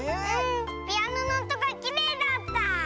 ピアノのおとがきれいだった。